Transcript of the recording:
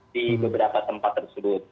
di beberapa tempat tersebut